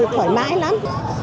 thoải mái lắm